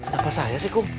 kenapa saya sih kum